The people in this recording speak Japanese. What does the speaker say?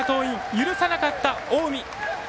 許さなかった近江。